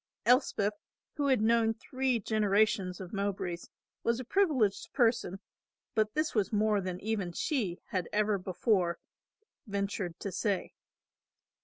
Elspeth who had known three generations of Mowbrays was a privileged person, but this was more than even she had ever before ventured to say.